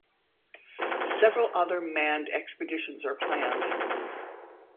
Several other manned expeditions are planned.